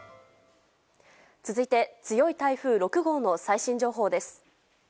続いて、強い台風６号の最新情報です。